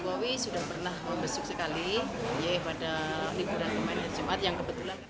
pak jokowi sudah pernah membesuk sekali ya pada liburan kemarin jumat yang kebetulan